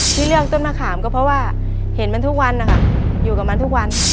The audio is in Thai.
ที่เลือกต้นมะขามก็เพราะว่าเห็นมันทุกวันนะคะอยู่กับมันทุกวัน